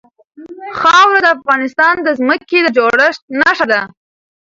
خاوره د افغانستان د ځمکې د جوړښت نښه ده.